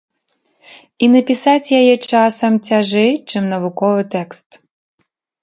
І напісаць яе, часам, цяжэй, чым навуковы тэкст.